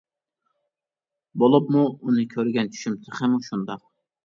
بولۇپمۇ ئۇنى كۆرگەن چۈشۈم تېخىمۇ شۇنداق.